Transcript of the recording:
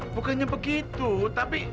bukannya begitu tapi